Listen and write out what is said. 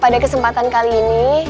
pada kesempatan kali ini